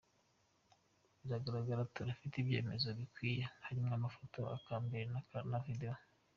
Biragaragara, turafise ivyemeza bikwiye harimwo amafoto eka mbere na Video.